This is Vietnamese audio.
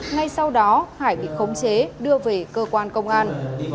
ngay sau đó hải bị khống chế đưa về cơ quan công an